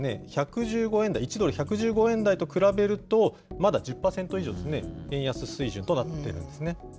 １１５円台、１ドル１１５円台と比べると、まだ１０％以上円安水準となっているんですね。